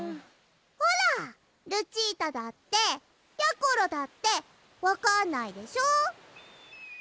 ほらルチータだってやころだってわかんないでしょ！